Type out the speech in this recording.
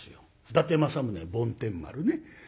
伊達政宗梵天丸ね。